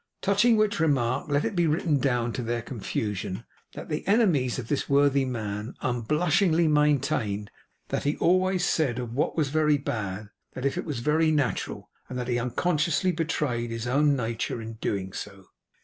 Touching which remark, let it be written down to their confusion, that the enemies of this worthy man unblushingly maintained that he always said of what was very bad, that it was very natural; and that he unconsciously betrayed his own nature in doing so.